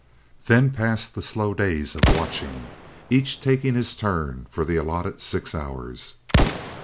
Then passed the slow days of watching, each taking his turn for the allotted six hours.